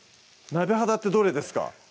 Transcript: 鍋肌ってどれですか？